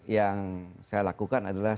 yang saya lakukan adalah